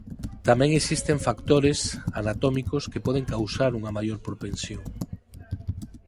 Tamén existen factores anatómicos que poden causar unha maior propensión.